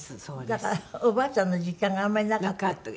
だからおばあちゃんの実感があんまりなかった？